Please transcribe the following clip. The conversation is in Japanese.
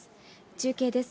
中継です。